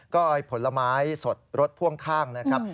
ก็ผลไม้สดรถพ่วงข้างนะครับ